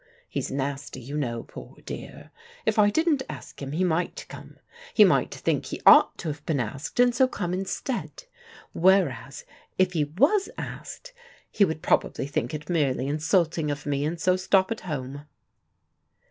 He's nasty, you know, poor dear. If I didn't ask him, he might come. He might think he ought to have been asked, and so come instead. Whereas if he was asked, he would probably think it merely insulting of me, and so stop at home."